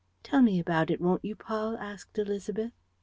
"Tell me about it, won't you, Paul?" asked Élisabeth.